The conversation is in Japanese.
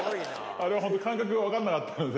あれは本当、感覚が分かんなかったんで。